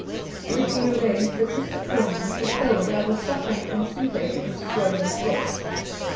It had been arranged that Mr. Coleman should tell them I was suffering from toothache and swollen face.